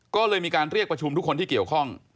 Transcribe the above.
ก็เลยมีการเรียกประชุมทุกคนที่เกี่ยวข้อง